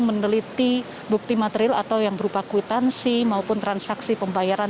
meneliti bukti material atau yang berupa kwitansi maupun transaksi pembayaran